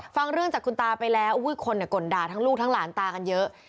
ฟังเรื่องจากคุณตาไปแล้วคนก่นด่าทั้งลูกทั้งหลานตากันเยอะ